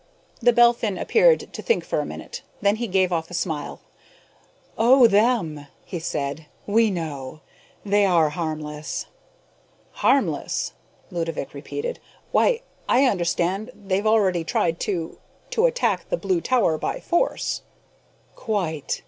The Belphin appeared to think for a minute. Then he gave off a smile. "Oh, them," he said. "We know. They are harmless." "Harmless!" Ludovick repeated. "Why, I understand they've already tried to to attack the Blue Tower by force!" "Quite.